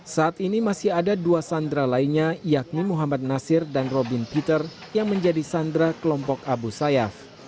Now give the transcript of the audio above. saat ini masih ada dua sandera lainnya yakni muhammad nasir dan robin peter yang menjadi sandra kelompok abu sayyaf